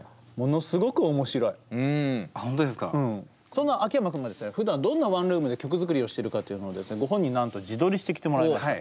そんな秋山君がですねふだんどんなワンルームで曲作りをしてるかというのをご本人になんと自撮りしてきてもらいました。